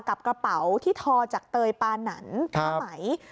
กระเป๋าที่ทอจากเตยปานันผ้าไหม